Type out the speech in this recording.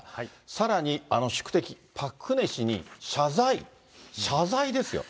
さらに、あの宿敵、パク・クネ氏に謝罪、謝罪ですよ。